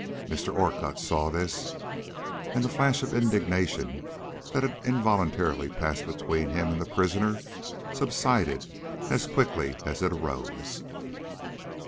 Mr. Orcutt saw this, and the flash of indignation that had involuntarily passed between him and the prisoner subsided as quickly as it arose.